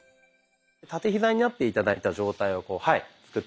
立てヒザになって頂いた状態を作ってみて下さい。